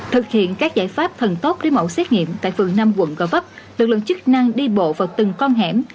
thực hiện các giải pháp thần tốt lấy mẫu xét nghiệm tại phường năm quận gò vấp